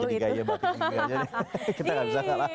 biar jadi gaya mbak atik sibi aja deh kita gak bisa kalah lagi